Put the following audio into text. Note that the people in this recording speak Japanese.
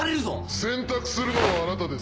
選択するのはあなたです。